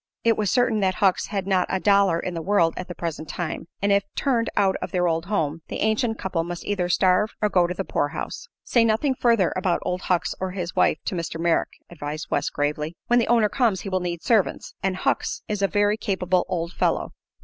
It was certain that Hucks had not a dollar in the world at the present time, and if turned out of their old home the ancient couple must either starve or go to the poorhouse. "Say nothing further about Old Hucks or his wife to Mr. Merrick," advised West, gravely. "When the owner comes he will need servants, and Hucks is a very capable old fellow.